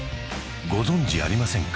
ご存じありませんか？